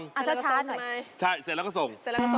คาถาที่สำหรับคุณ